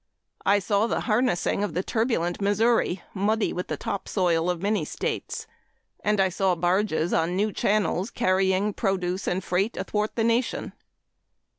I saw the harnessing of the turbulent Missouri, muddy with the topsoil of many states. And I saw barges on new channels carrying produce and freight athwart the nation.